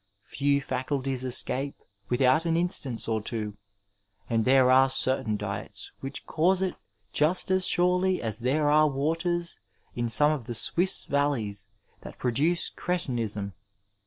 Few Faeulties escape without an instance or tW0| and there are certain diets which cause it jnst as sorely as there are waters in some of the Swiss valleys that produce cretinism.